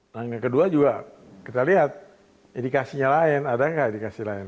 nah yang kedua juga kita lihat indikasinya lain ada nggak indikasi lain